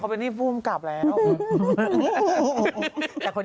เราเป็นสังคมพูดสูง